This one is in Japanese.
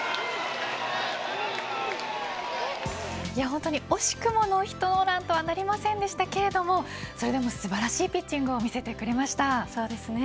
本当に惜しくもノーヒットノーランとはなりませんでしたけれどもそれでも素晴らしいピッチングをそうですね。